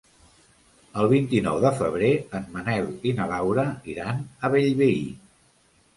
El vint-i-nou de febrer en Manel i na Laura iran a Bellvei.